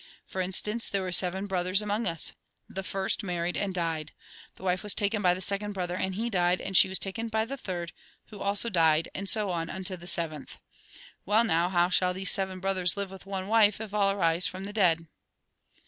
For instance, there were seven brothers among ns. The first married and died. The wife was taken by the second brother and he died, and she was taken by the third, who also died, and so on unto the seventh. Well now, how shall these seven brothers live with one wife if all arise from the dead